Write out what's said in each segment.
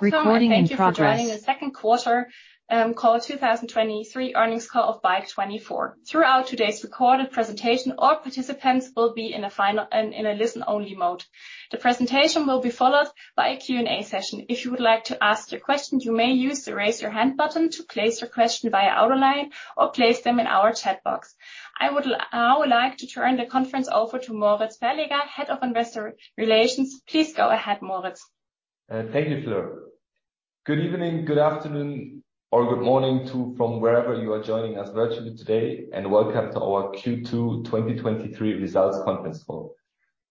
Welcome, thank you for joining the second quarter 2023 earnings call of Bike24. Throughout today's recorded presentation, all participants will be in a listen-only mode. The presentation will be followed by a Q&A session. If you would like to ask your question, you may use the Raise Your Hand button to place your question via audio line or place them in our chat box. I would like to turn the conference over to Moritz Verleger, Head of Investor Relations. Please go ahead, Moritz. Thank you, Fleur. Good evening, good afternoon, or good morning from wherever you are joining us virtually today, and welcome to our Q2 2023 Results Conference Call.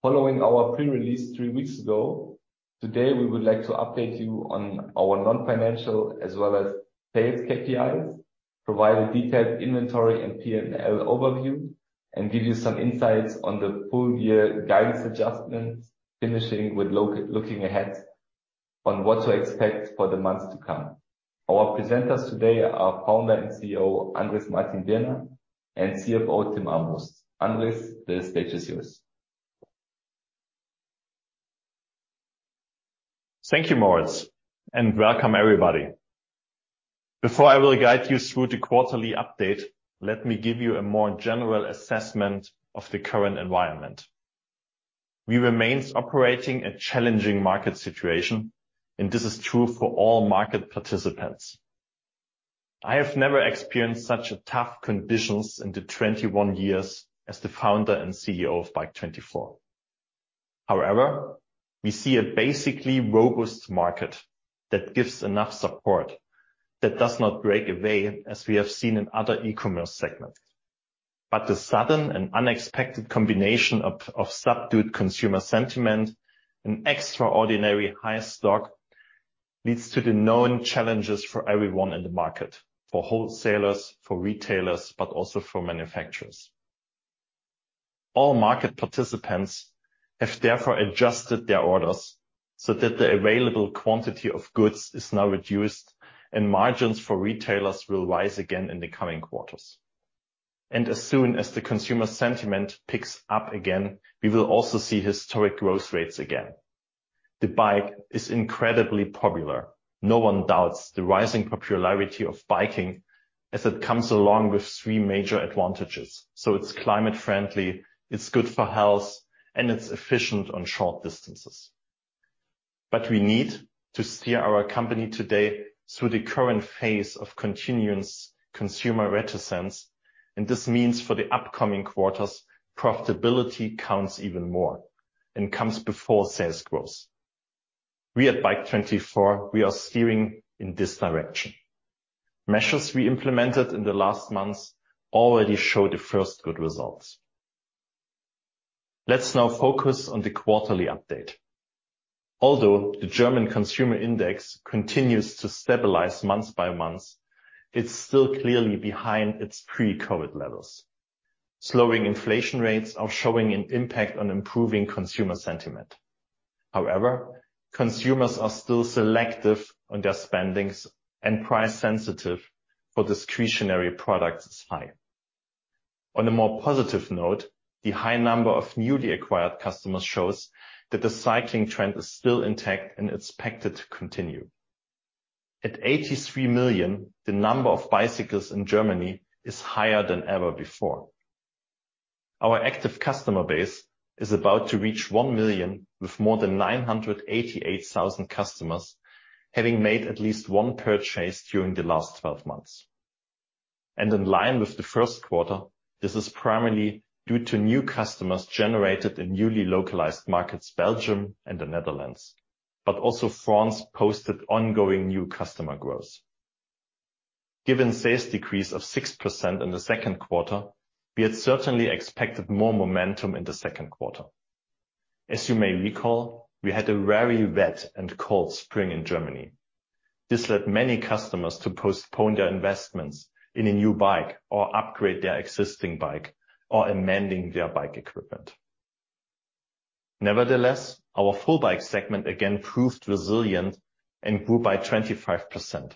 Following our pre-release three weeks ago, today, we would like to update you on our non-financial as well as sales KPIs, provide a detailed inventory and PNL overview, and give you some insights on the full year guidance adjustments, finishing with looking ahead on what to expect for the months to come. Our presenters today are Founder and CEO, Andrés Martin-Birner, and CFO, Timm Armbrust. Andrés, the stage is yours. Thank you, Moritz, and welcome, everybody. Before I will guide you through the quarterly update, let me give you a more general assessment of the current environment. We remain operating a challenging market situation. This is true for all market participants. I have never experienced such a tough conditions in the 21 years as the founder and CEO of Bike24. We see a basically robust market that gives enough support, that does not break away as we have seen in other e-commerce segments. The sudden and unexpected combination of subdued consumer sentiment and extraordinary high stock leads to the known challenges for everyone in the market, for wholesalers, for retailers, but also for manufacturers. All market participants have therefore adjusted their orders so that the available quantity of goods is now reduced. Margins for retailers will rise again in the coming quarters. As soon as the consumer sentiment picks up again, we will also see historic growth rates again. The bike is incredibly popular. No one doubts the rising popularity of biking, as it comes along with three major advantages: so it's climate friendly, it's good for health, and it's efficient on short distances. We need to steer our company today through the current phase of continuance consumer reticence, and this means for the upcoming quarters, profitability counts even more and comes before sales growth. We at Bike24, we are steering in this direction. Measures we implemented in the last months already show the first good results. Let's now focus on the quarterly update. Although the German Consumer Index continues to stabilize month by month, it's still clearly behind its pre-COVID levels. Slowing inflation rates are showing an impact on improving consumer sentiment. However, consumers are still selective on their spendings and price-sensitive, for discretionary products is high. On a more positive note, the high number of newly acquired customers shows that the cycling trend is still intact and expected to continue. At 83 million, the number of bicycles in Germany is higher than ever before. Our active customer base is about to reach 1 million, with more than 988,000 customers having made at least one purchase during the last 12 months. In line with the first quarter, this is primarily due to new customers generated in newly localized markets, Belgium and the Netherlands, but also France posted ongoing new customer growth. Given sales decrease of 6% in the second quarter, we had certainly expected more momentum in the second quarter. As you may recall, we had a very wet and cold spring in Germany. This led many customers to postpone their investments in a new bike or upgrade their existing bike or amending their bike equipment. Nevertheless, our full bike segment again proved resilient and grew by 25%.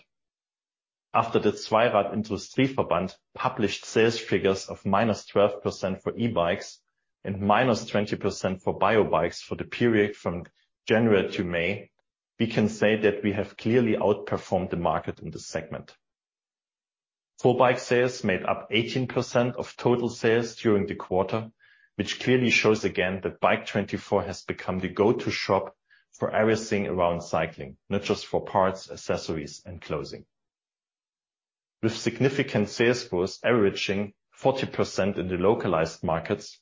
After the Zweirad-Industrie-Verband published sales figures of -12% for e-bikes and -20% for bio-bikes for the period from January to May, we can say that we have clearly outperformed the market in this segment. Full bike sales made up 18% of total sales during the quarter, which clearly shows again that Bike24 has become the go-to shop for everything around cycling, not just for parts, accessories, and clothing. With significant sales growth averaging 40% in the localized markets,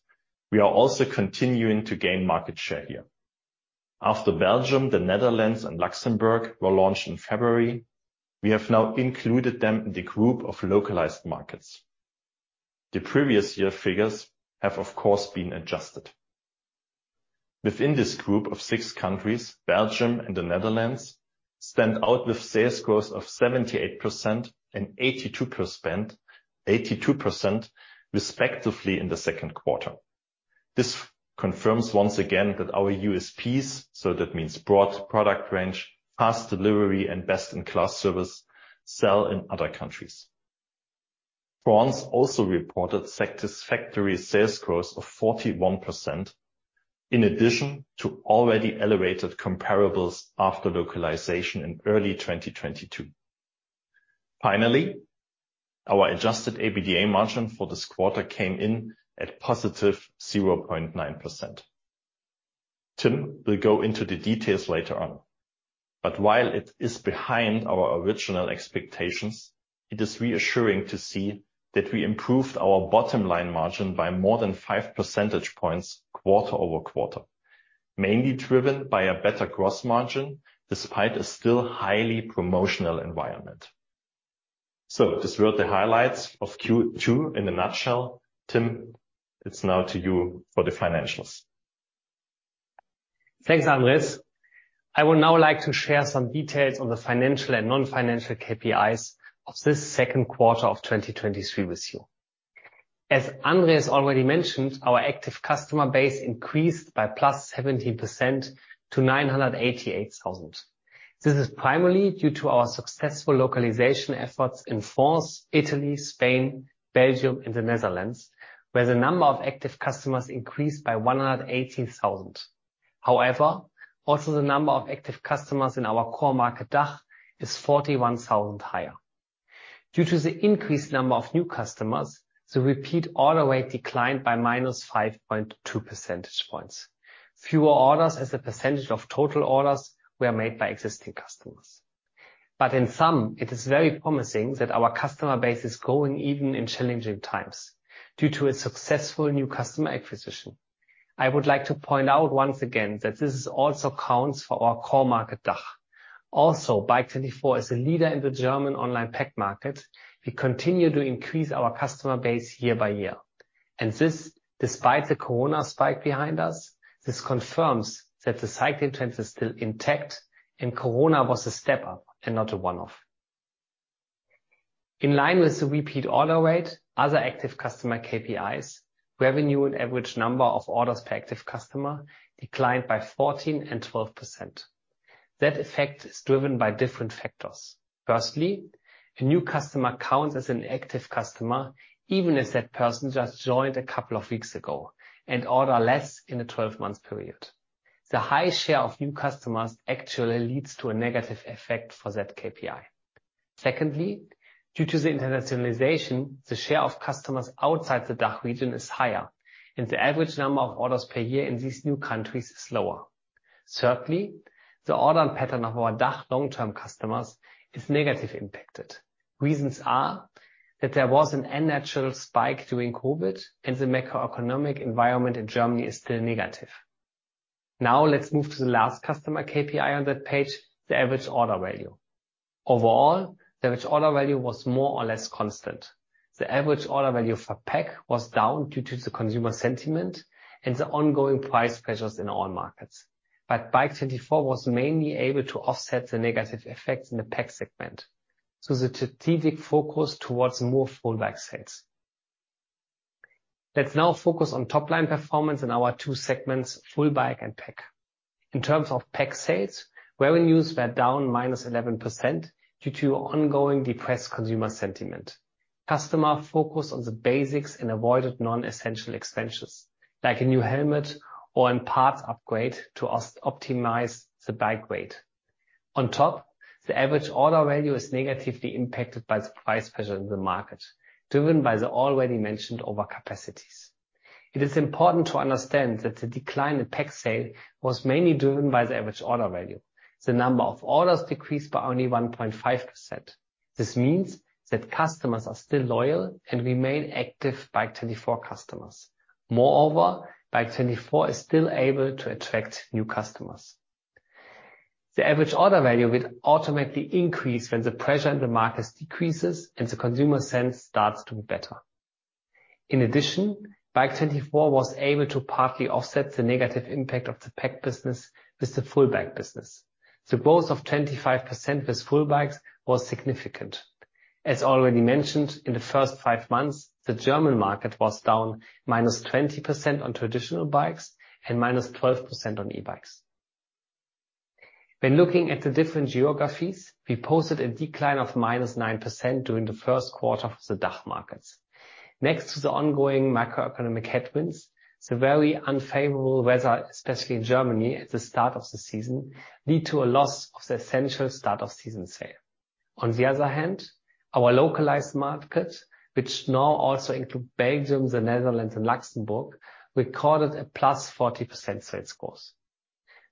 we are also continuing to gain market share here. After Belgium, the Netherlands and Luxembourg were launched in February, we have now included them in the group of localized markets. The previous year figures have, of course, been adjusted. Within this group of six countries, Belgium and the Netherlands stand out with sales growth of 78% and 82%, 82%, respectively, in the second quarter. This confirms once again that our USPs, so that means broad product range, fast delivery, and best-in-class service, sell in other countries.... France also reported satisfactory sales growth of 41%, in addition to already elevated comparables after localization in early 2022. Finally, our adjusted EBITDA margin for this quarter came in at positive 0.9%. Timm will go into the details later on. While it is behind our original expectations, it is reassuring to see that we improved our bottom line margin by more than five percentage points quarter-over-quarter, mainly driven by a better gross margin, despite a still highly promotional environment. This were the highlights of Q2 in a nutshell. Timm, it's now to you for the financials. Thanks, Andrés. I would now like to share some details on the financial and non-financial KPIs of this second quarter of 2023 with you. As Andrés already mentioned, our active customer base increased by +17% to 988,000. This is primarily due to our successful localization efforts in France, Italy, Spain, Belgium and the Netherlands, where the number of active customers increased by 118,000. However, also the number of active customers in our core market, DACH, is 41,000 higher. Due to the increased number of new customers, the repeat order rate declined by -5.2 percentage points. Fewer orders as a percentage of total orders were made by existing customers. In sum, it is very promising that our customer base is growing even in challenging times, due to a successful new customer acquisition. I would like to point out once again that this also counts for our core market, DACH. Bike24 is a leader in the German online pack market. We continue to increase our customer base year by year, and this, despite the Corona spike behind us, confirms that the cycling trend is still intact and Corona was a step up and not a one-off. In line with the repeat order rate, other active customer KPIs, revenue and average number of orders per active customer declined by 14 and 12%. That effect is driven by different factors. Firstly, a new customer counts as an active customer, even if that person just joined a couple of weeks ago and order less in a 12-month period. The high share of new customers actually leads to a negative effect for that KPI. Secondly, due to the internationalization, the share of customers outside the DACH region is higher, and the average number of orders per year in these new countries is lower. Thirdly, the ordering pattern of our DACH long-term customers is negatively impacted. Reasons are that there was an unnatural spike during COVID, and the macroeconomic environment in Germany is still negative. Now let's move to the last customer KPI on that page, the average order value. Overall, the average order value was more or less constant. The average order value for PAC was down due to the consumer sentiment and the ongoing price pressures in all markets. Bike24 was mainly able to offset the negative effects in the PAC segment, so the strategic focus towards more full bike sales. Let's now focus on top-line performance in our two segments, full bike and PAC. In terms of PAC sales, revenues were down -11% due to ongoing depressed consumer sentiment. Customer focused on the basics and avoided non-essential extensions, like a new helmet or a parts upgrade to optimize the bike weight. On top, the average order value is negatively impacted by the price pressure in the market, driven by the already mentioned overcapacities. It is important to understand that the decline in PAC sales was mainly driven by the average order value. The number of orders decreased by only 1.5%. This means that customers are still loyal and remain active Bike24 customers. Moreover, Bike24 is still able to attract new customers. The average order value will automatically increase when the pressure in the market decreases and the consumer sense starts to be better. In addition, Bike24 was able to partly offset the negative impact of the PAC business with the full bike business. The growth of 25% with full bikes was significant. As already mentioned, in the first five months, the German market was down -20% on traditional bikes and -12% on e-bikes. When looking at the different geographies, we posted a decline of -9% during the first quarter of the DACH markets. Next to the ongoing macroeconomic headwinds, the very unfavorable weather, especially in Germany at the start of the season, led to a loss of the essential start of season sale. On the other hand, our localized market, which now also include Belgium, the Netherlands and Luxembourg, recorded a +40% sales growth.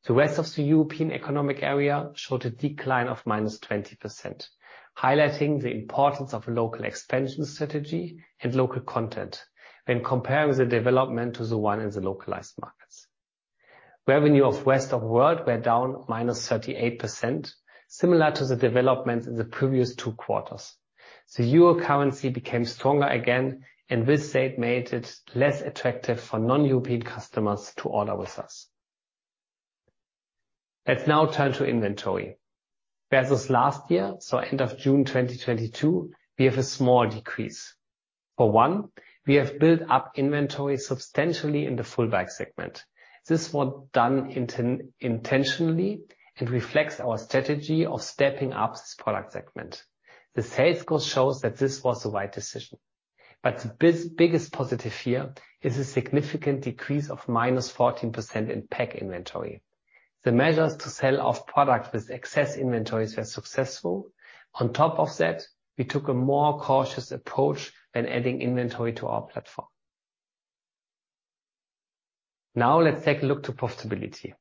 The rest of the European Economic Area showed a decline of -20%, highlighting the importance of local expansion strategy and local content when comparing the development to the one in the localized markets. Revenue of rest of world were down -38%, similar to the developments in the previous 2 quarters. This made it less attractive for non-European customers to order with us. Let's now turn to inventory. Versus last year, so end of June 2022, we have a small decrease. For one, we have built up inventory substantially in the full bike segment. This was done intentionally and reflects our strategy of stepping up this product segment. The sales growth shows that this was the right decision. The biggest positive here is a significant decrease of -14% in PAC inventory. The measures to sell off products with excess inventories were successful. On top of that, we took a more cautious approach when adding inventory to our platform. Now let's take a look to profitability.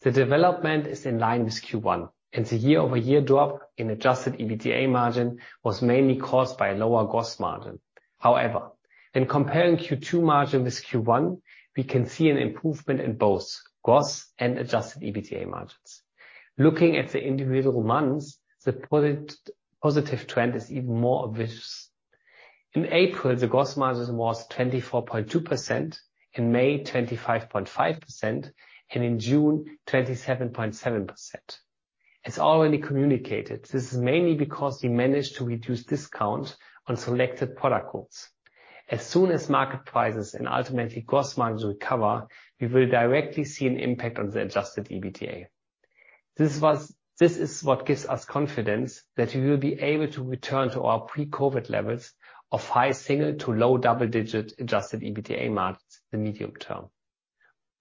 The development is in line with Q1, and the year-over-year drop in adjusted EBITDA margin was mainly caused by a lower gross margin. However, in comparing Q2 margin with Q1, we can see an improvement in both gross and adjusted EBITDA margins. Looking at the individual months, the positive trend is even more obvious. In April, the gross margin was 24.2%, in May, 25.5%, and in June, 27.7%. As already communicated, this is mainly because we managed to reduce discount on selected product codes. As soon as market prices and ultimately gross margins recover, we will directly see an impact on the adjusted EBITDA. This is what gives us confidence that we will be able to return to our pre-COVID levels of high single- to low double-digit adjusted EBITDA margins in the medium term.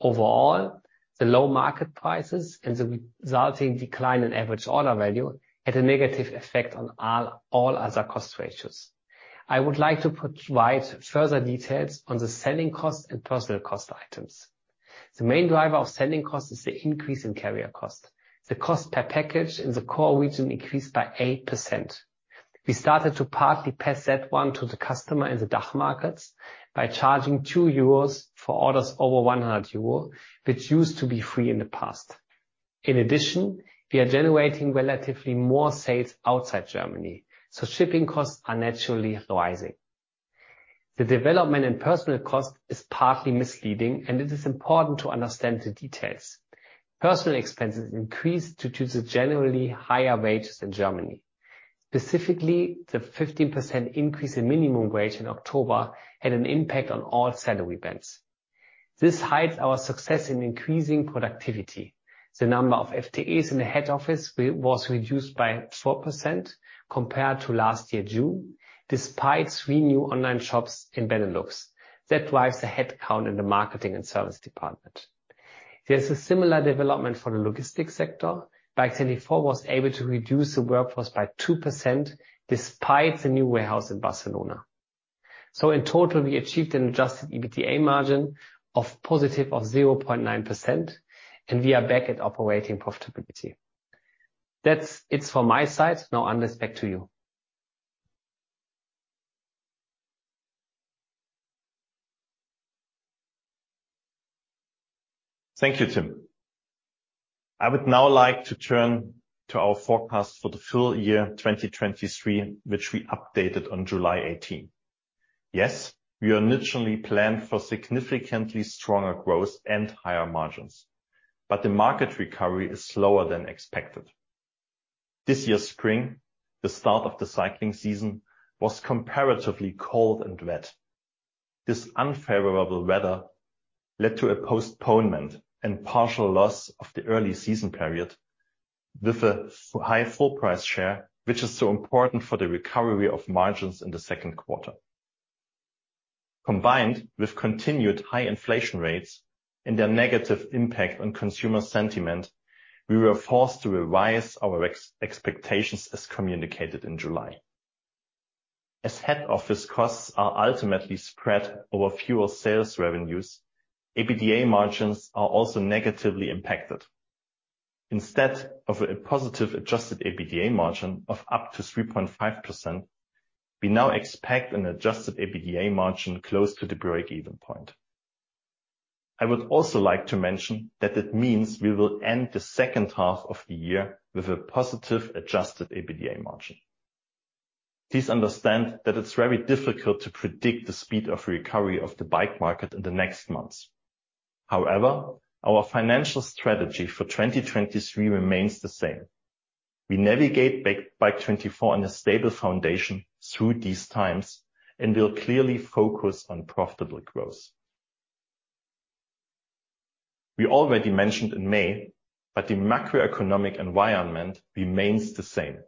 Overall, the low market prices and the resulting decline in average order value had a negative effect on all other cost ratios. I would like to provide further details on the selling cost and personnel cost items. The main driver of selling cost is the increase in carrier cost. The cost per package in the core region increased by 8%. We started to partly pass that one to the customer in the DACH markets by charging 2 euros for orders over 100 euro, which used to be free in the past. We are generating relatively more sales outside Germany, so shipping costs are naturally rising. The development in personnel cost is partly misleading, and it is important to understand the details. Personal expenses increased due to the generally higher wages in Germany. Specifically, the 15% increase in minimum wage in October had an impact on all salary bands. This hides our success in increasing productivity. The number of FTEs in the head office was reduced by 4% compared to last year, June, despite three new online shops in Benelux. That drives the headcount in the marketing and service department. There's a similar development for the logistics sector. Bike24 was able to reduce the workforce by 2% despite the new warehouse in Barcelona. In total, we achieved an adjusted EBITDA margin of positive of 0.9%, and we are back at operating profitability. That's it for my side. Now, Andrés, back to you. Thank you, Timm. I would now like to turn to our forecast for the full year 2023, which we updated on July 18th. We initially planned for significantly stronger growth and higher margins, but the market recovery is slower than expected. This year's spring, the start of the cycling season, was comparatively cold and wet. This unfavorable weather led to a postponement and partial loss of the early season period with a high full price share, which is so important for the recovery of margins in the second quarter. Combined with continued high inflation rates and their negative impact on consumer sentiment, we were forced to revise our expectations as communicated in July. As head office costs are ultimately spread over fewer sales revenues, EBITDA margins are also negatively impacted. Instead of a positive adjusted EBITDA margin of up to 3.5%, we now expect an adjusted EBITDA margin close to the breakeven point. I would also like to mention that it means we will end the second half of the year with a positive, adjusted EBITDA margin. Please understand that it's very difficult to predict the speed of recovery of the bike market in the next months. However, our financial strategy for 2023 remains the same. We navigate Bike24 on a stable foundation through these times, and we'll clearly focus on profitable growth. We already mentioned in May. The macroeconomic environment remains the same.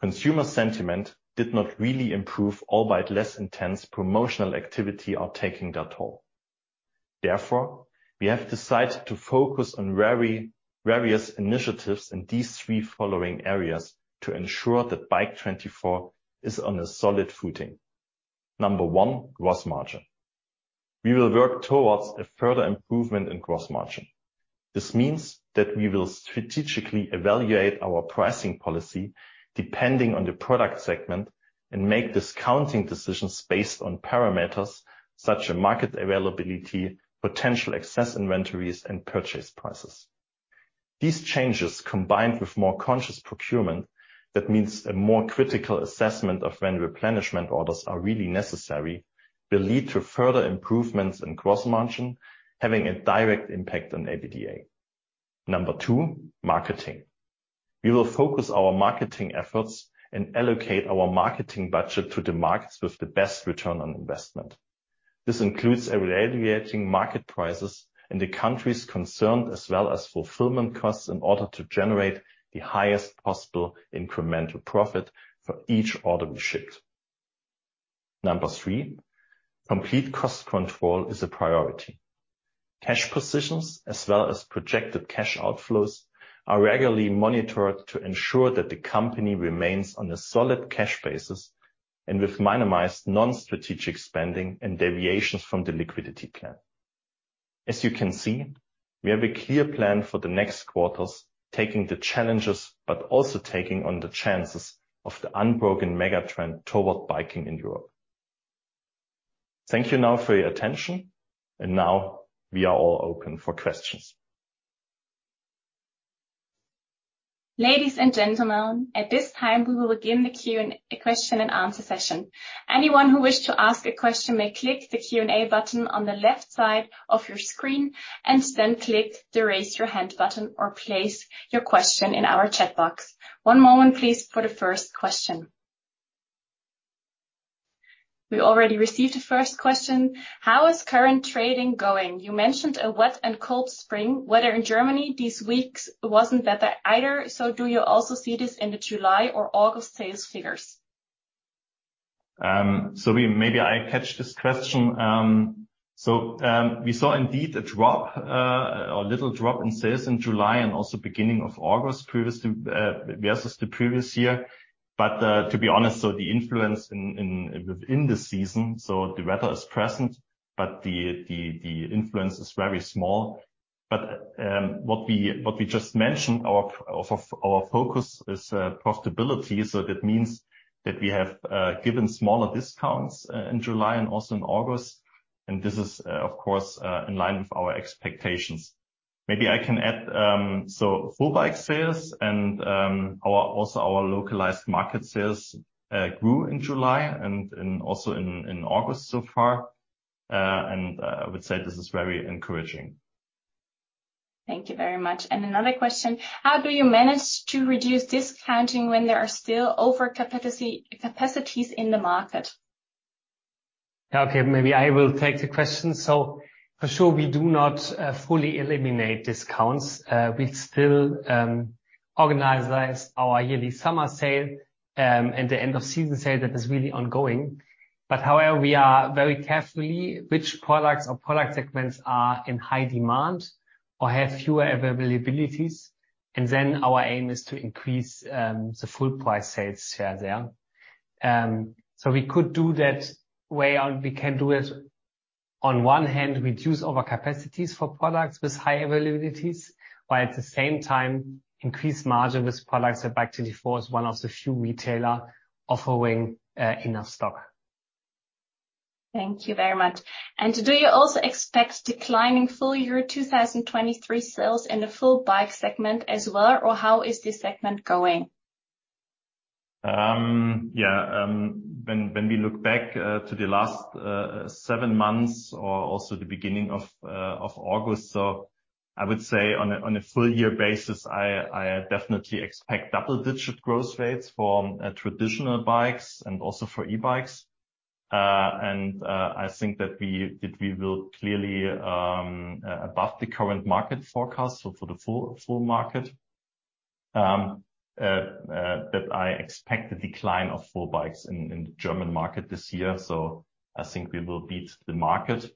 Consumer sentiment did not really improve, albeit less intense promotional activity or taking that all. Therefore, we have decided to focus on various initiatives in these three following areas to ensure that Bike24 is on a solid footing. Number one, gross margin. We will work towards a further improvement in gross margin. This means that we will strategically evaluate our pricing policy depending on the product segment, and make discounting decisions based on parameters such as market availability, potential excess inventories, and purchase prices. These changes, combined with more conscious procurement, that means a more critical assessment of when replenishment orders are really necessary, will lead to further improvements in gross margin, having a direct impact on EBITDA. Number two, marketing. We will focus our marketing efforts and allocate our marketing budget to the markets with the best return on investment. This includes evaluating market prices in the countries concerned, as well as fulfillment costs in order to generate the highest possible incremental profit for each order we ship. Number three, complete cost control is a priority. Cash positions, as well as projected cash outflows, are regularly monitored to ensure that the company remains on a solid cash basis and with minimized non-strategic spending and deviations from the liquidity plan. As you can see, we have a clear plan for the next quarters, taking the challenges, but also taking on the chances of the unbroken mega-trend toward biking in Europe. Thank you now for your attention. Now we are all open for questions. Ladies and gentlemen, at this time, we will begin the question and answer session. Anyone who wishes to ask a question may click the Q&A button on the left side of your screen and then click the Raise Your Hand button or place your question in our chat box. One moment, please, for the first question. We already received the first question: How is current trading going? You mentioned a wet and cold spring. Weather in Germany these weeks wasn't better either, do you also see this in the July or August sales figures? Maybe I catch this question. We saw indeed a drop, or little drop in sales in July and also beginning of August, previous to versus the previous year. To be honest, so the influence within the season, so the weather is present, but the influence is very small. What we just mentioned, our focus is profitability, so that means that we have given smaller discounts in July and also in August, and this is of course in line with our expectations. Maybe I can add, so full bike sales and also our localized market sales grew in July and also in August so far. I would say this is very encouraging. Thank you very much. Another question: How do you manage to reduce discounting when there are still over capacity, capacities in the market? Yeah, okay, maybe I will take the question. For sure, we do not fully eliminate discounts. We still organize our yearly summer sale, and the end of season sale that is really ongoing. However, we are very carefully which products or product segments are in high demand or have fewer availabilities, and then our aim is to increase the full price sales share there. We could do that way, or we can do it on one hand, reduce overcapacities for products with high availabilities, while at the same time increase margin with products that Bike24 is one of the few retailer offering in our stock. Thank you very much. Do you also expect declining full year 2023 sales in the full bike segment as well, or how is this segment going? Yeah, when, when we look back to the last seven months or also the beginning of August, so I would say on a full year basis, I, I definitely expect double-digit growth rates for traditional bikes and also for e-bikes. I think that we, that we will clearly above the current market forecast, so for the full, full market. I expect the decline of full bikes in the German market this year, so I think we will beat the market.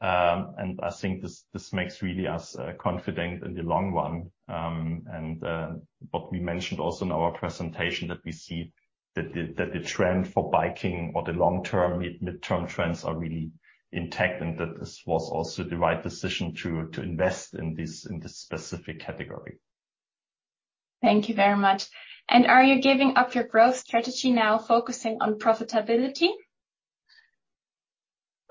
I think this, this makes really us confident in the long run. What we mentioned also in our presentation, that we see that the, that the trend for biking or the long-term, mid, midterm trends are really intact, and that this was also the right decision to, to invest in this specific category. Thank you very much. Are you giving up your growth strategy now, focusing on profitability?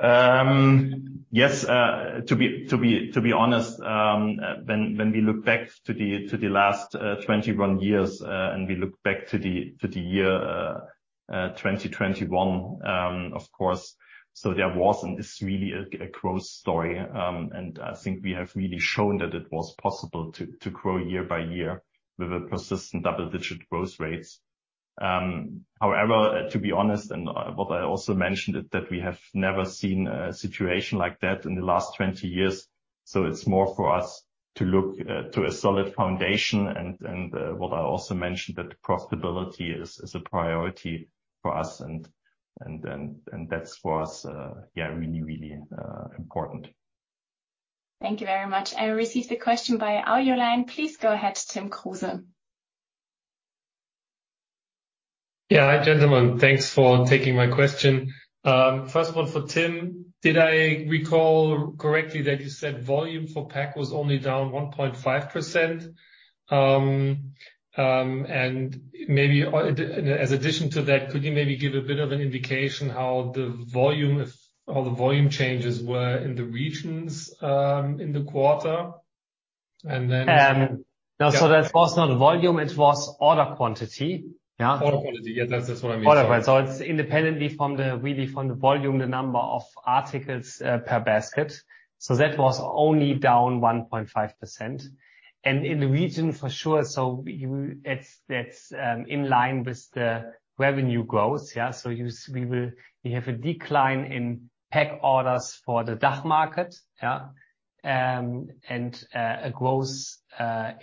Yes, to be honest, when we look back to the last 21 years, and we look back to the year 2021, of course, there was and is really a growth story. I think we have really shown that it was possible to grow year by year with a persistent double-digit growth rates. To be honest, and what I also mentioned, is that we have never seen a situation like that in the last 20 years. It's more for us to look to a solid foundation. What I also mentioned, that profitability is a priority for us, and that's for us, yeah, really important. Thank you very much. I received a question by audio line. Please go ahead, Tim Kruse. Yeah. Hi, gentlemen. Thanks for taking my question. First of all, for Tim, did I recall correctly that you said volume for PAC was only down 1.5%? Maybe as addition to that, could you maybe give a bit of an indication how the volume, how the volume changes were in the regions, in the quarter? No, that was not volume, it was order quantity. Yeah. Order quantity. Yes, that's what I mean. Order quantity. It's independently from the really, from the volume, the number of articles per basket. That was only down 1.5%. In the region, for sure, we, it's, that's in line with the revenue growth, yeah. We have a decline in PAC orders for the DACH market, yeah, and a growth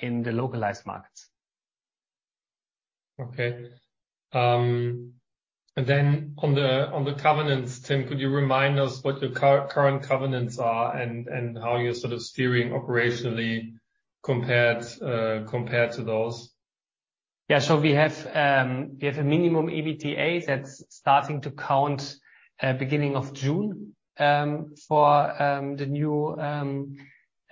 in the localized markets.... Okay. Then on the, on the covenants, Tim, could you remind us what your current covenants are and, and how you're sort of steering operationally compared, compared to those? Yeah. We have, we have a minimum EBITDA that's starting to count, beginning of June, for the new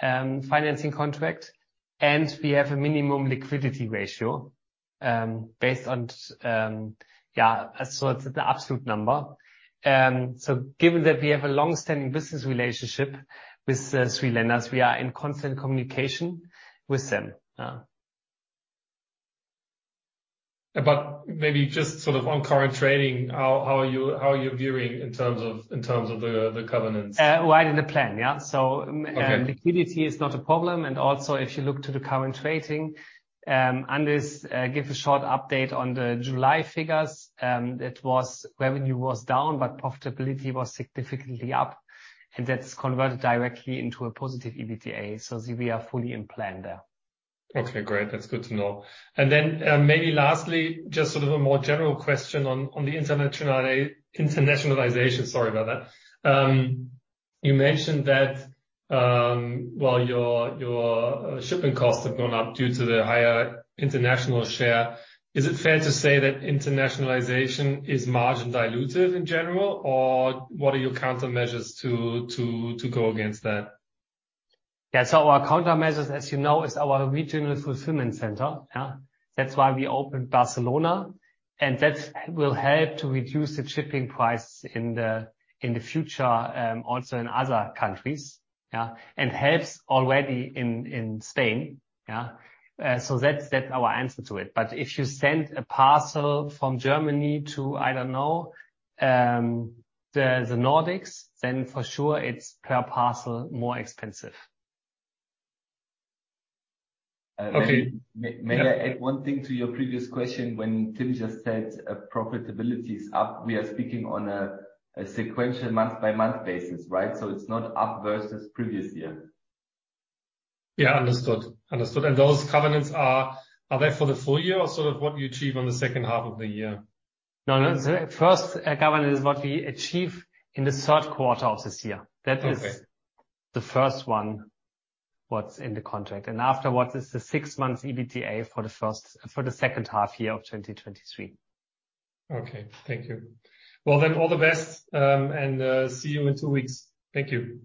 financing contract. We have a minimum liquidity ratio, based on, yeah, it's the absolute number. Given that we have a long-standing business relationship with, three lenders, we are in constant communication with them. Yeah. Maybe just sort of on current trading, how are you viewing in terms of, in terms of the, the covenants? Right in the plan, yeah. Okay. Liquidity is not a problem. Also, if you look to the current trading, Andrés give a short update on the July figures. Revenue was down, but profitability was significantly up, and that's converted directly into a positive EBITDA. We are fully in plan there. Okay, great. That's good to know. Maybe lastly, just sort of a more general question on, on the internationalization. Sorry about that. You mentioned that, while your, your shipping costs have gone up due to the higher international share, is it fair to say that internationalization is margin dilutive in general? What are your countermeasures to go against that? Yeah. Our countermeasures, as you know, is our regional fulfillment center, yeah? That's why we opened Barcelona, and that will help to reduce the shipping price in the, in the future, also in other countries, yeah, and helps already in, in Spain, yeah. That's, that's our answer to it. If you send a parcel from Germany to, I don't know, the, the Nordics, then for sure it's per parcel, more expensive. Okay May, may I add one thing to your previous question? When Timm just said, profitability is up, we are speaking on a sequential month-by-month basis, right? It's not up versus previous year. Yeah, understood. Understood. Those covenants are, are they for the full year or sort of what you achieve on the second half of the year? No, no, the first covenant is what we achieve in the third quarter of this year. Okay. That is the first one, what's in the contract. Afterwards, it's the six months EBITDA for the second half year of 2023. Okay. Thank you. Well, then, all the best, and see you in two weeks. Thank you.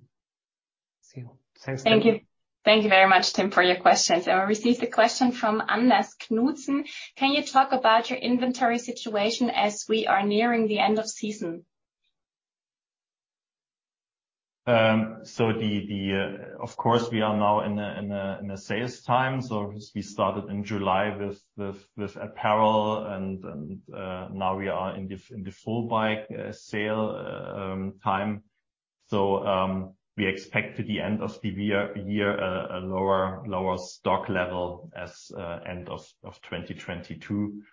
See you. Thanks. Thank you. Thank you very much, Tim, for your questions. I received a question from Anders Knudsen: Can you talk about your inventory situation as we are nearing the end of season? Of course, we are now in a sales time. We started in July with apparel and now we are in the full bike sale time. We expect at the end of the year a lower stock level as end of 2022.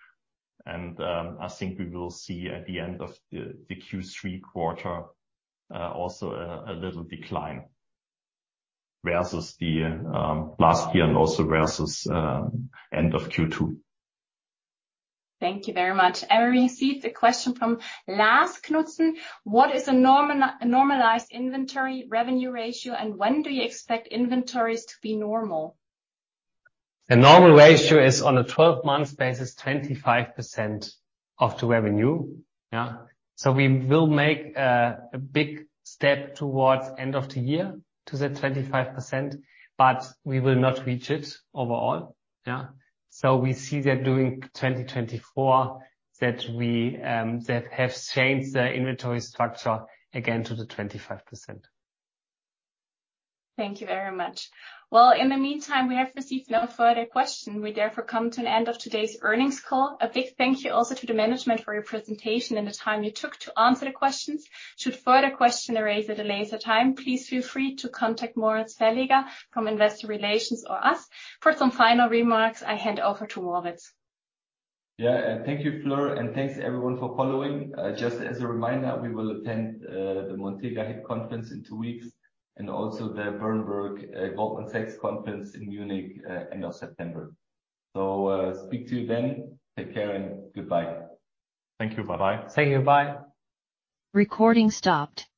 I think we will see at the end of the Q3 quarter also a little decline versus last year and also versus end of Q2. Thank you very much. I received a question from Lars Knudsen: What is a normalized inventory revenue ratio, and when do you expect inventories to be normal? The normal ratio is on a 12-month basis, 25% of the revenue. We will make a big step towards end of the year to the 25%, but we will not reach it overall. We see that during 2024, that we that have changed the inventory structure again to the 25%. Thank you very much. Well, in the meantime, we have received no further question. We therefore come to an end of today's earnings call. A big thank you also to the management for your presentation and the time you took to answer the questions. Should further questions arise at a later time, please feel free to contact Moritz Verleger from Investor Relations or us. For some final remarks, I hand over to Moritz. Yeah, thank you, Fleur, and thanks everyone for following. Just as a reminder, we will attend the Montega HIT Conference in two weeks, and also the Berenberg, Goldman Sachs conference in Munich, end of September. Speak to you then. Take care and goodbye. Thank you. Bye-bye. Thank you. Bye. Recording stopped.